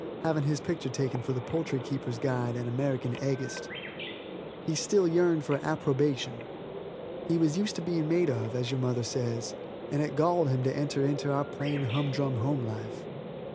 having his picture taken for the Poultry Keepers' Guide and American Eggist. He still yearned for approbation. He was used to being made of, as your mother says, and it galled him to enter into our plain, humdrum home life.